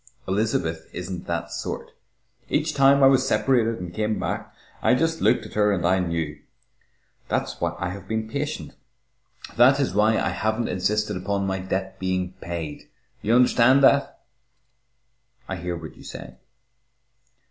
Elizabeth isn't that sort. Each time I was separated and came back, I just looked at her and I knew. That's why I have been patient. That is why I haven't insisted upon my debt being paid. You understand that?" "I hear what you say."